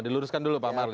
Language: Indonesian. diluruskan dulu pak marli